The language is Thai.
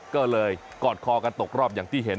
ก็เลยกอดคอกันตกรอบอย่างที่เห็น